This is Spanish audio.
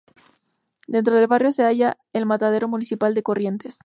Dentro del barrio se halla el matadero municipal de Corrientes.